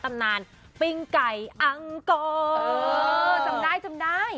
ตำนานปิ้งไก่อังกรจำได้จำได้